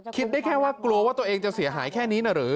คิดได้แค่ว่ากลัวว่าตัวเองจะเสียหายแค่นี้นะหรือ